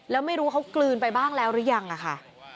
แล้วไม่รู้เขากลืนไปบ้างแล้วหรือยังอะค่ะ